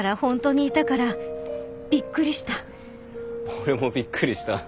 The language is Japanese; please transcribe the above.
俺もびっくりした。